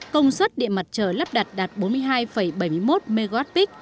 công suất điện mặt trời lắp đặt đạt bốn mươi hai bảy mươi một mwp